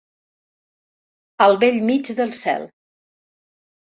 Al bell mig del cel.